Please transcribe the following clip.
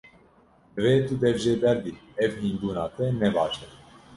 Divê tu dev jê berdî, ev hînbûna te ne baş e.